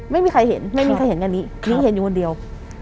ไม่มีใครเห็นไม่มีใครเห็นอันนี้นิ้งเห็นอยู่คนเดียว